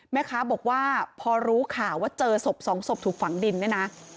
แม่ค้าบอกว่าพอรู้ข่าวว่าเจอศพสองศพถูกฝังดินเนี่ยนะ